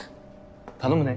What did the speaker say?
頼むね。